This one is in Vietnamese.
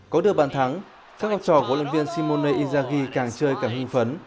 có được bàn thắng các học trò của luyện viên simone izaghi càng chơi càng hưng phấn